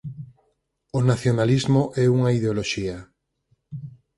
O nacionalismo é unha ideoloxía.